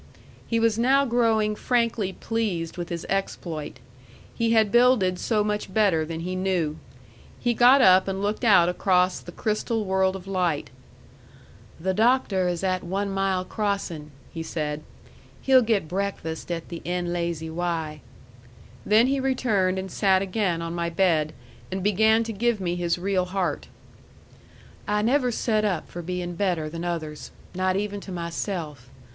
He was now growing frankly pleased with his exploit. He had builded so much better than he knew. He got up and looked out across the crystal world of light. "The Doctor is at one mile crossing," he said. "He'll get breakfast at the N lazy Y." Then he returned and sat again on my bed, and began to give me his real heart. "I never set up for being better than others. Not even to myself.